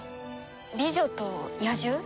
『美女と野獣』？